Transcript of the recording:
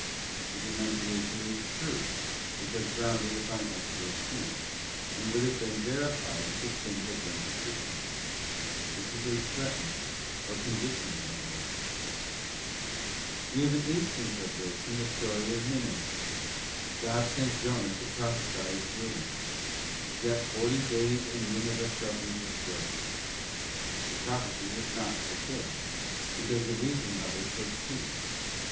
The denunciation was true, because grounded upon actual sin, and would have been verified if the sin had been persisted in. This is a threatening or conditional revelation. We have an instance of this in the story of Ninive. God j p : t 'i a tall —e THREATS AND WARNINGS CONDITIONAL, 143 sent Jonas to it to prophesy its ruin: ' Yet forty days and Ninive shall be destroyed.'* The prophecy was not fulfilled, because the reason of it had ceased.